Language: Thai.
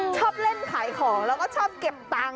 ชอบเล่นขายของแล้วก็ชอบเก็บตังค์